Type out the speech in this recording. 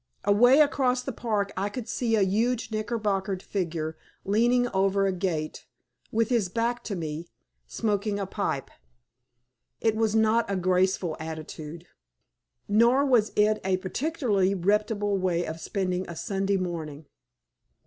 Away across the park I could see a huge knickerbockered figure leaning over a gate, with his back to me, smoking a pipe. It was not a graceful attitude, nor was it a particularly reputable way of spending a Sunday morning.